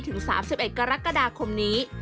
ถึง๓๑กรกฎาคมนี้